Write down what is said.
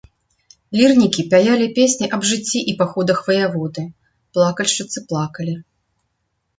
Лірнікі пяялі песні аб жыцці і паходах ваяводы, плакальшчыцы плакалі.